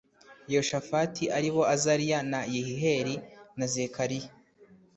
yehoshafati ari bo azariya na yehiyeli na zekariya